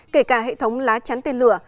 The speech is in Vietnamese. kể cả hệ thống lá chắn tên lửa